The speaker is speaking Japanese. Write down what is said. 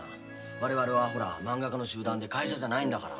我々はほらまんが家の集団で会社じゃないんだから。